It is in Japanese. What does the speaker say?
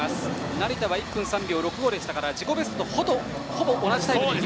成田は１分３秒６５でしたから自己ベストとほぼ同じタイムです。